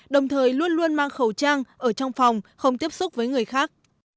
đồng thời luôn luôn mang khẩu trang ở trong phòng không tiếp xúc với người khác